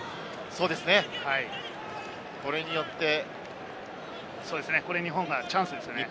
これによって日本チャンスですね。